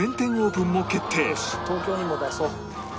よし東京にも出そう。